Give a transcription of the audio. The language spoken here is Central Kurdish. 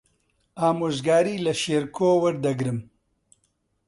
ئامۆژگاری لە شێرکۆ وەردەگرم.